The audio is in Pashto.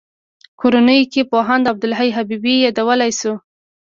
کورنیو کې پوهاند عبدالحی حبیبي یادولای شو.